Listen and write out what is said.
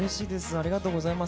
ありがとうございます。